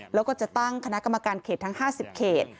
แล้วก็จะตั้งคณะกรรมการเขตทั้ง๕๐เขต